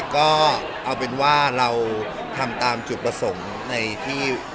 ก็เอาเป็นว่าเราทำตามจุดประสงค์ในที่